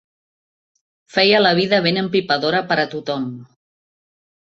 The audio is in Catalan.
Feia la vida ben empipadora per a tothom.